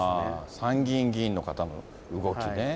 参議院議員の方の動きね。